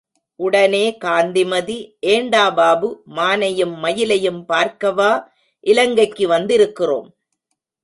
உடனே காந்திமதி, ஏண்டா பாபு, மானையும், மயிலையும் பார்க்கவா இலங்கைக்கு வந்திருக்கிறோம்.